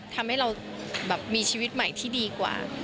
ทำให้เรามีชีวิตใหม่ที่ดีกว่า